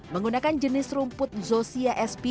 menggunakan jenis rumput zosia sp